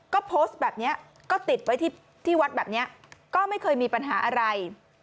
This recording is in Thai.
ก็โพสต์แบบนี้ก็ติดไว้ที่วัดแบบนี้ก็ไม่เคยมีปัญหาอะไร